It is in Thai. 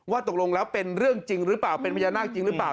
ตกลงแล้วเป็นเรื่องจริงหรือเปล่าเป็นพญานาคจริงหรือเปล่า